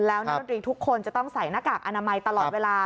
แล้วนักดนตรีทุกคนจะต้องใส่หน้ากากอนามัยตลอดเวลา